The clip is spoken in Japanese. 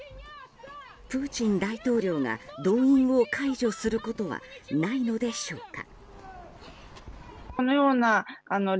プーチン大統領が動員を解除することはないのでしょうか。